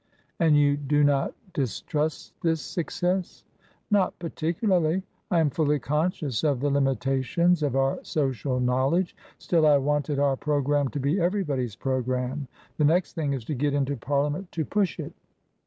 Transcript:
" And you do not distrust this success ?"" Not particularly. I am fully conscious of the limi tations of our social knowledge; still I wanted our programme to be everybody's programme; the next thing is to get into Parliament to push it."